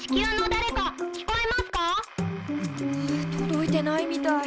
届いてないみたい。